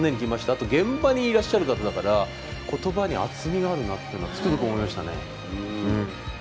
あと現場にいらっしゃる方だから言葉に厚みがあるなというのはつくづく思いましたね。